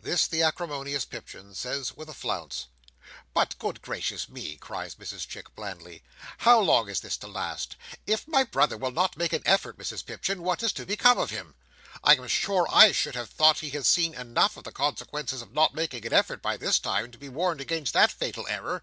This the acrimonious Pipchin says with a flounce. "But good gracious me!" cries Mrs Chick blandly. "How long is this to last! If my brother will not make an effort, Mrs Pipchin, what is to become of him? I am sure I should have thought he had seen enough of the consequences of not making an effort, by this time, to be warned against that fatal error."